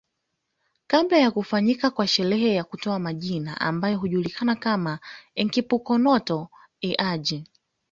Kabla ya kufanyika kwa sherehe ya kutoa majina ambayo hujulikana kama Enkipukonoto Eaji